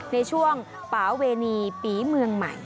ในช่วงป่าเวณีปีเมืองใหม่